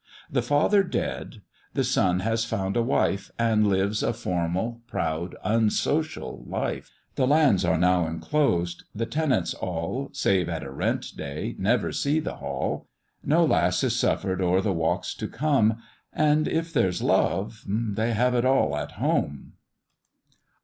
"The father dead, the son has found a wife, And lives a formal, proud, unsocial life; The lands are now inclosed; the tenants all, Save at a rent day, never see the hall; No lass is suffer'd o'er the walks to come, And if there's love, they have it all at home.